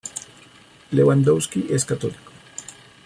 Lewandowski es católico.